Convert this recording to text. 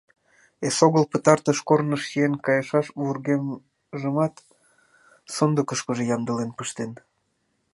Эсогыл пытартыш корныш чиен кайышаш вургемжымат сондыкышкыжо ямдылен пыштен.